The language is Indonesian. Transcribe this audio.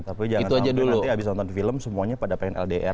tapi jangan sampai abis nonton film semuanya pada pengen ldr an